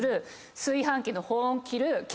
炊飯器の保温切る。